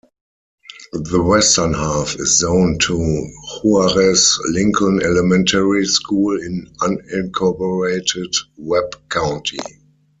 The western half is zoned to Juarez-Lincoln Elementary School in unincorporated Webb County.